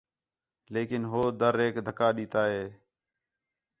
لیکن ہو دریک دَھکا ݙِتّا ہِے